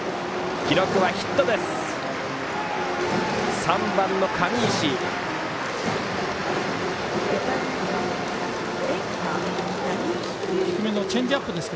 記録はヒットです。